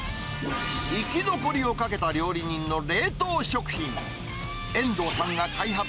生き残りをかけた料理人の冷凍食品。